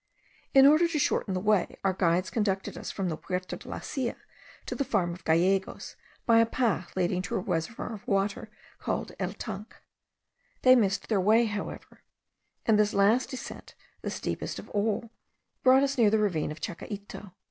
In order to shorten the way, our guides conducted us from the Puerta de la Silla to the farm of Gallegos by a path leading to a reservoir of water, called el Tanque. They missed their way, however; and this last descent, the steepest of all, brought us near the ravine of Chacaito.